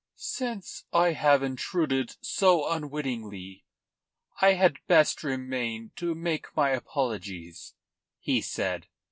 "Since I have intruded so unwittingly, I had best remain to make my apologies," he said.